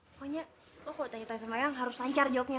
pokoknya lo kalo tanya tanya sama eyang harus lancar jawabnya